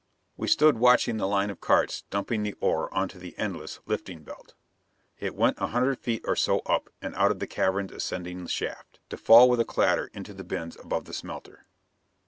We stood watching the line of carts dumping the ore onto the endless lifting belt. It went a hundred feet or so up and out of the cavern's ascending shaft, to fall with a clatter into the bins above the smelter.